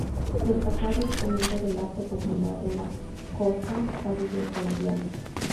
Destacado exponente del arte popular en la costa caribe colombiana.